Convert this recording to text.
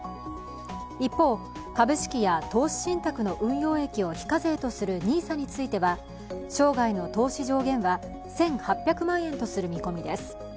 一方、株式や投資信託の運用益を非課税とするＮＩＳＡについては生涯の投資上限は１８００万円とする見込みです。